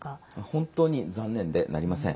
本当に残念でなりません。